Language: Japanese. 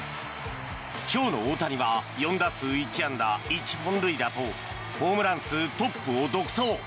今日の大谷は４打数１安打１本塁打とホームラン数トップを独走。